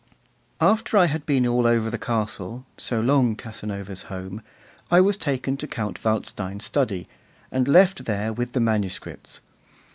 After I had been all over the castle, so long Casanova's home, I was taken to Count Waldstein's study, and left there with the manuscripts.